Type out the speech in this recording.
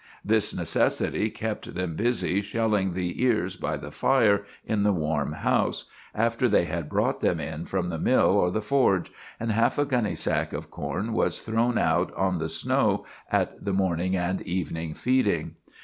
This necessity kept them busy shelling the ears by the fire in the warm house, after they had brought them in from the mill or the forge, and half a gunny sack of corn was thrown out on the snow at the morning and evening feeding.